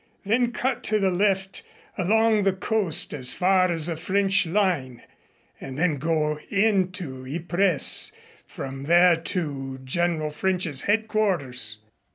Then cut to the left along the coast, as far as the French line, and then go in to Ypres and from there to General French's headquarters.